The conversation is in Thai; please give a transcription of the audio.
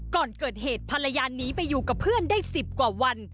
ก่อนเกิดเหตุภรรยาหนีไปอยู่กับเพื่อนได้๑๐กว่าวัน